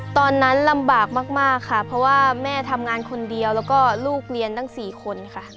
ตอนนั้นลำบากมากค่ะเพราะว่าแม่ทำงานคนเดียวแล้วก็ลูกเรียนตั้ง๔คนค่ะ